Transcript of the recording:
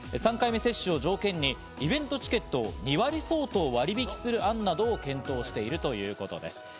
３回目接種を条件に、イベントチケットを２割相当を割引する案などを検討しているということです。